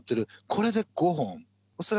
これで５本。